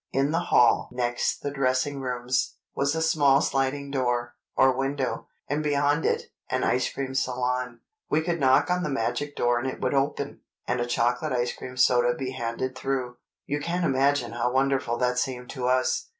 In the hall next the dressing rooms, was a small sliding door, or window, and beyond it an ice cream salon. We could knock on the magic door and it would open, and a chocolate ice cream soda be handed through. You can't imagine how wonderful that seemed to us